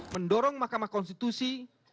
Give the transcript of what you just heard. mendorong mahkamah konstitusi